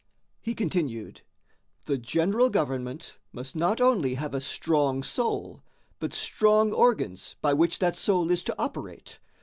He continued: "The general government must not only have a strong soul, but strong organs by which that soul is to operate.